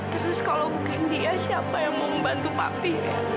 terus kalau bukan dia siapa yang mau membantu papi